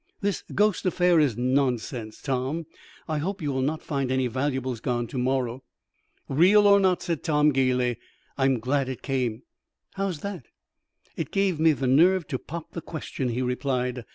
"This ghost affair is nonsense, Tom. I hope you will not find any valuables gone to morrow." "Real or not," said Tom, gaily, "I'm glad it came." "How's that?" "It gave me nerve to pop the question," he replied.